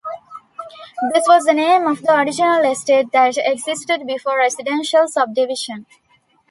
This was the name of the original estate that existed before residential subdivision.